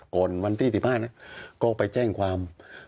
ก่อนวันที่๑๕นะก็ไปแจ้งความ